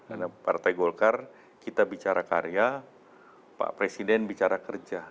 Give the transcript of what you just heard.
karena partai golkar kita bicara karya pak presiden bicara kerja